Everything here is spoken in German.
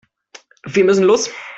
Wir müssen los.